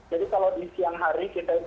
jadi kalau di siang hari kita itu bisa